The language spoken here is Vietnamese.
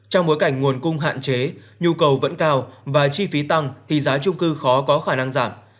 trong bối cảnh nguồn cung hạn chế nhu cầu vẫn cao và chi phí tăng thì giá trung cư khó có khả năng giảm